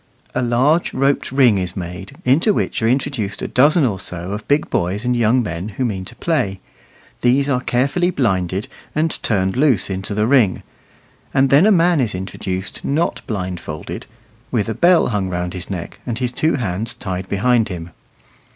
A large roped ring is made, into which are introduced a dozen or so of big boys and young men who mean to play; these are carefully blinded and turned loose into the ring, and then a man is introduced not blindfolded; with a bell hung round his neck, and his two hands tied behind him.